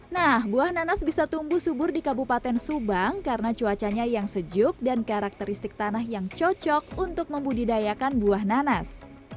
nah buah nanas bisa tumbuh subur di kabupaten subang karena cuacanya yang sejuk dan karakteristik tanah yang cocok untuk membudidayakan buah nanas